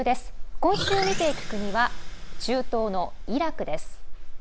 今週見ていく国は中東のイラクです。